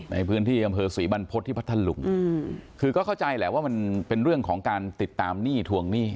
ในพื้นที่อำเภอศรีบรรพฤษที่พัทธลุงคือก็เข้าใจแหละว่ามันเป็นเรื่องของการติดตามหนี้ทวงหนี้